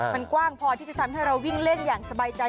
มันกว้างพอที่จะทำให้เราวิ่งเล่นอย่างสบายใจ